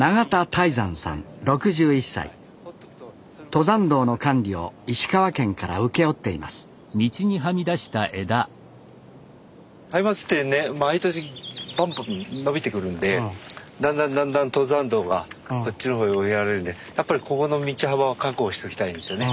登山道の管理を石川県から請け負っていますハイマツってね毎年バンバン伸びてくるんでだんだんだんだん登山道がこっちの方へ追いやられるんでやっぱりここの道幅は確保しときたいんですよね。